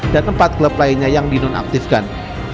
dan empat klub lainnya yang dinonaktifkan